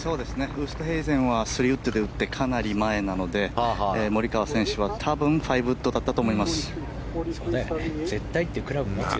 ウーストヘイゼンは３ウッドで打ってかなり前なのでモリカワ選手は多分５ウッドだったと思います。